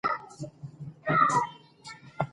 د شیدو صافي او تازه والی ډېر مهم دی.